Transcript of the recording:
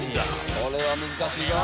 これは難しいぞ！